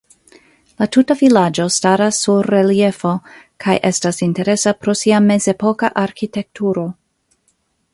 La tuta vilaĝo staras sur reliefo kaj estas interesa pro sia mezepoka arkitekturo.